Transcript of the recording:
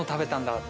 って。